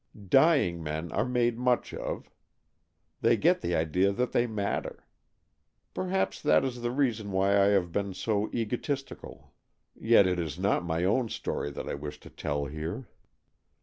Dying men are made much of. They get the idea that they matter. Perhaps that is the reason why I have been so egotistical. 250 AN EXCHANGE OF SOULS Yet it is not my own story that I wish to tell here.